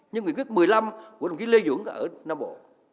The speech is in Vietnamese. như nghị quyết một mươi năm của đồng chí lê duẩn ở nam bộ